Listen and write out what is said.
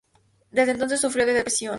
Desde entonces sufrió de depresión.